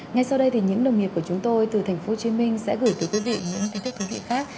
ngay sau đây thì những đồng nghiệp của chúng tôi từ thành phố hồ chí minh sẽ gửi cho quý vị những tin tức thú vị khác